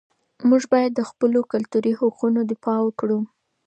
موږ باید د خپلو کلتوري حقوقو دفاع وکړو.